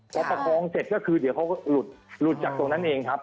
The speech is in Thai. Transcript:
พอประคองเสร็จก็คือเดี๋ยวเขาก็หลุดจากตรงนั้นเองครับ